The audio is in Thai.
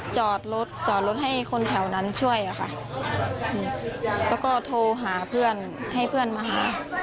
จอดรถจอดรถให้คนแถวนั้นช่วยค่ะแล้วก็โทรหาเพื่อนให้เพื่อนมาหา